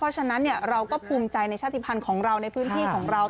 เพราะฉะนั้นเราก็ภูมิใจในชาติภัณฑ์ของเราในพื้นที่ของเรา